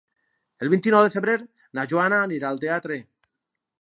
El vint-i-nou de febrer na Joana anirà al teatre.